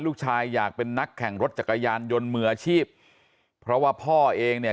ลูกชายอยากเป็นนักแข่งรถจักรยานยนต์มืออาชีพเพราะว่าพ่อเองเนี่ย